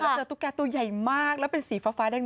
เจอตุ๊กแกตัวใหญ่มากแล้วเป็นสีฟ้าแดง